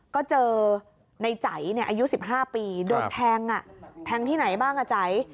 ก็เจอในใจเนี้ยอายุสิบห้าปีโดนแทงอ่ะแทงที่ไหนบ้างอ่ะใจ